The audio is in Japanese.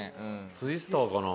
ツイスターかな。